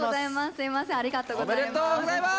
すみません、ありがとうございます。